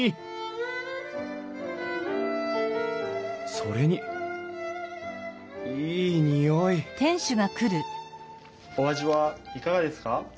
それにいい匂いお味はいかがですか？